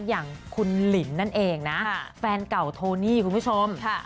อย่างคุณหลินนั่นเองนะแฟนเก่าโทนี่คุณผู้ชม